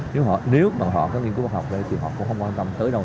nếu mà họ có nghiên cứu văn học thì họ cũng không quan tâm tới đâu